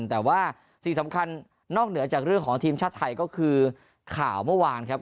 แต่ว่าสิ่งสำคัญนอกเหนือจากเรื่องของทีมชาติไทยก็คือข่าวเมื่อวานครับ